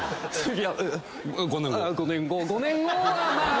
５年後はまあまあ。